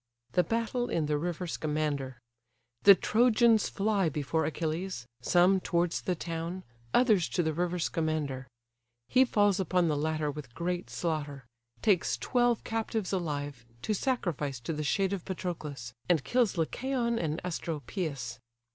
THE BATTLE IN THE RIVER SCAMANDER. The Trojans fly before Achilles, some towards the town, others to the river Scamander: he falls upon the latter with great slaughter: takes twelve captives alive, to sacrifice to the shade of Patroclus; and kills Lycaon and Asteropeus.